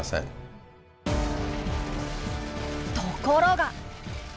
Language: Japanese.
ところが。